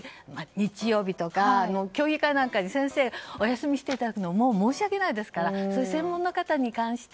日曜日とか競技会なんか先生にお休みしていただくのはもう、申し訳ないので専門の方に。